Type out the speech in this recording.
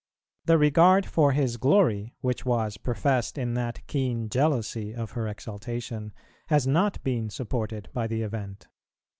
The regard for His glory, which was professed in that keen jealousy of her exaltation, has not been supported by the event.